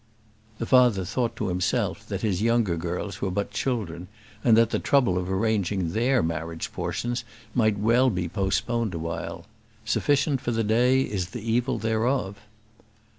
The father thought to himself that his younger girls were but children, and that the trouble of arranging their marriage portions might well be postponed a while. Sufficient for the day is the evil thereof.